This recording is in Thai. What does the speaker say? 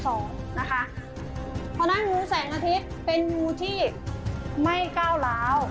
เพราะฉะนั้นงูแสงอาทิตย์เป็นงูที่ไม่ก้าวร้าว